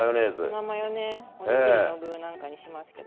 ツナマヨねおにぎりの具なんかにしますけど。